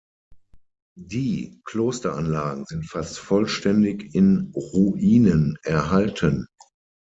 Die Klosteranlagen sind fast vollständig in Ruinen erhalten.